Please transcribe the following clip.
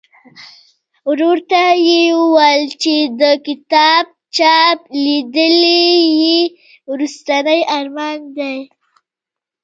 ورور ته یې ویل چې د کتاب چاپ لیدل یې وروستنی ارمان دی.